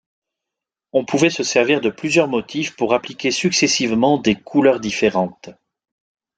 On pouvait se servir de plusieurs motifs pour appliquer successivement des couleurs différentes.